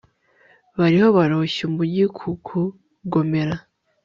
bariho baroshya umugi kukugomera